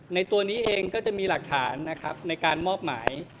ตัวนี้เองก็จะมีหลักฐานนะครับในการมอบหมาย